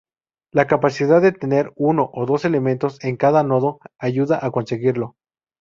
La capacidad de tener uno o dos elementos en cada nodo ayuda a conseguirlo.